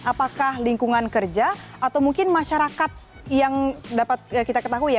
apakah lingkungan kerja atau mungkin masyarakat yang dapat kita ketahui ya